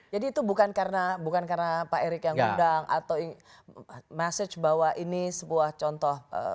jadi itu bukan karena pak erik yang undang atau message bahwa ini sebuah contoh